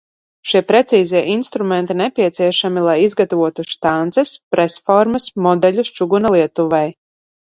Šie precīzie instrumenti nepieciešami, lai izgatavotu štances, presformas, modeļus čuguna lietuvei.